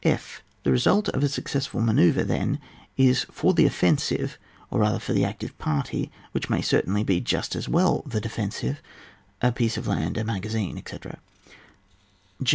(/) The result of a successful man oeuvre, then, is for the offensive, or rather for the active party (which may certainly be just as well the defensive), a piece of land, a magazine, etc. (^.)